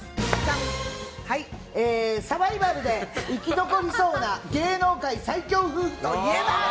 サバイバルで生き残りそうな芸能界最強夫婦といえば？